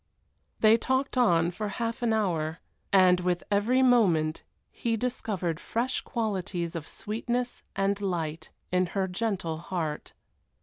They talked on for half an hour, and with every moment he discovered fresh qualities of sweetness and light in her gentle heart.